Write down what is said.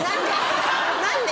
何で？